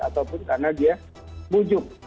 ataupun karena dia bujuk